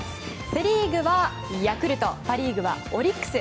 セ・リーグはヤクルトパ・リーグはオリックス。